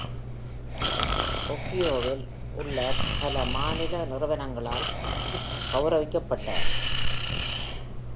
ஓஹியோவில் உள்ள பல மாநில நிறுவனங்களால் ரிஃப் கௌரவிக்கப்பட்டார்.